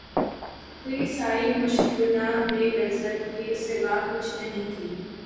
تو یہ ساری مشق گناہ بے لذت کے سوا کچھ نہیں تھی۔